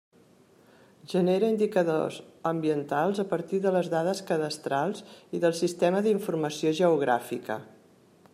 Genera indicadors ambientals a partir de les dades cadastrals i del sistema d'informació geogràfica.